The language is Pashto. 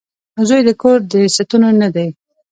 • زوی د کور د ستنو نه دی.